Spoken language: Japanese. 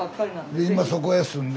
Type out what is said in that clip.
で今そこへ住んで。